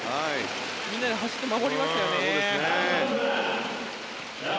みんなで走って守りましたよね。